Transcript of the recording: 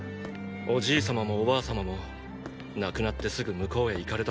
おじい様もおばあ様も亡くなってすぐ向こうへ行かれたぞ。